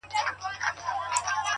پرون مي غوښي د زړگي خوراك وې-